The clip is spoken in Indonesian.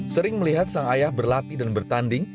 sering melihat sang ayah berlatih dan bertanding